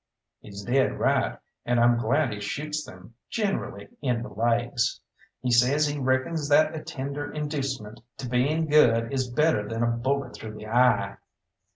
"He's dead right, and I'm glad he shoots them!" "Generally in the laigs. He says he reckons that a tender inducement to being good is better than a bullet through the eye.